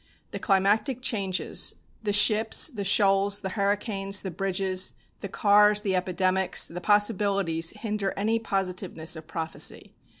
The climatic changes, the ships, the shoals, the hurricanes, the bridges, the cars, the epidemics, the possibilities hinder any positiveness of prophecy.